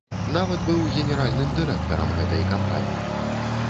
Нават быў генеральным дырэктарам гэтай кампаніі.